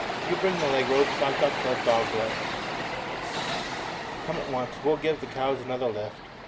You bring the leg ropes I've got the dog leg. Come at once; we'll give the cows another lift.